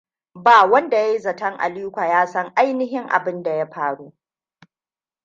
Ba wanda ya yi zaton Aliko ya san ainihin abin da ya faru.